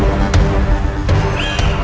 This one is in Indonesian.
tidak ada yang bisa diberikan